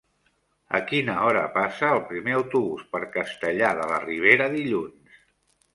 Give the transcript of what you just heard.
A quina hora passa el primer autobús per Castellar de la Ribera dilluns?